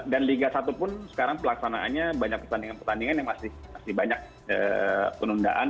dan liga satu pun sekarang pelaksanaannya banyak pertandingan pertandingan yang masih banyak penundaan